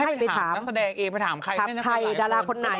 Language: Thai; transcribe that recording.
ให้ไปถามแสดงเองไปถามใครถามใครดาราคนไหน